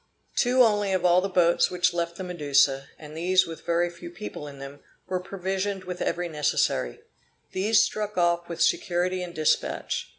Two only of all the boats which left the Medusa, and these with very few people in them, were provisioned with every necessary; these struck off with security and despatch.